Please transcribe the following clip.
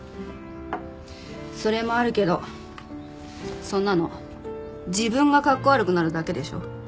それもあるけどそんなの自分がカッコ悪くなるだけでしょ。